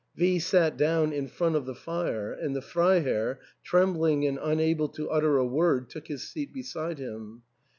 V sat down in front of the fire, and the Freiherr, trembling and unable to utter a word, took his seat be side him.